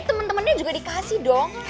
temen temennya juga dikasih dong